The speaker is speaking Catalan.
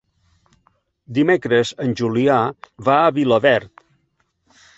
Dimecres en Julià va a Vilaverd.